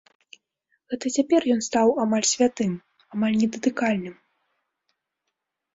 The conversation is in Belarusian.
Гэта цяпер ён стаў амаль святым, амаль недатыкальным.